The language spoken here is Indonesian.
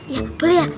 ya boleh ya